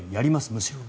むしろ。